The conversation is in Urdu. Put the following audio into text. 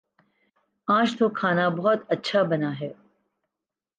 آج تو کھانا بہت اچھا بنا ہے